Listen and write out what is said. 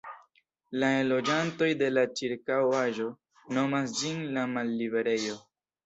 La enloĝantoj de la ĉirkaŭaĵo nomas ĝin "la malliberejo".